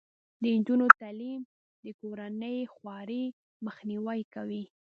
د نجونو تعلیم د کورنۍ خوارۍ مخنیوی دی.